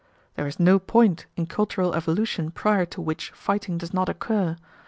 There is no point in cultural evolution prior to which fighting does not occur.